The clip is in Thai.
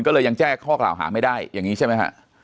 ก็เลยยังแจ้งข้อกล่าวหาไม่ได้อย่างนี้ใช่ไหมฮะ